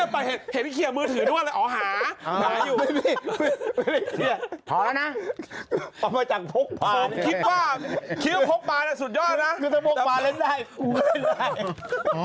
ผมคิดว่าพวกปาสุดยอดนะ